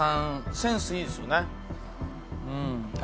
センスいいですよねうん